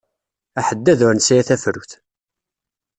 Aḥeddad ur nesɛi tafrut!